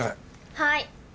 はい。